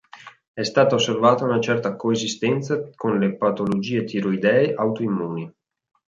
È stata osservata una certa coesistenza con le patologie tiroidee autoimmuni.